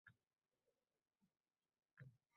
Maqtashganlarida ozgina rashk ham qilardik.